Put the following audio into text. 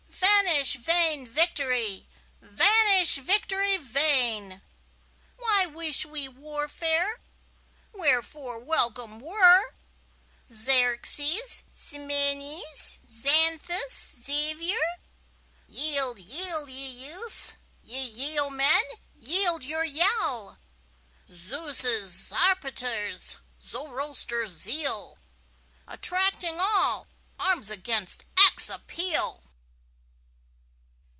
Vanish vain victory! vanish, victory vain! Why wish we warfare? Wherefore welcome were Xerxes, Ximenes, Xanthus, Xavier? Yield, yield, ye youths! ye yeomen, yield your yell! Zeus', Zarpater's, Zoroaster's zeal, Attracting all, arms against acts appeal!